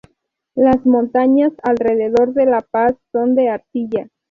Las montañas alrededor de La Paz son de arcilla.